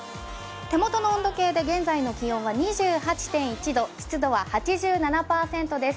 手元の温度計で現在の気温は２８．１度、湿度は８７％です。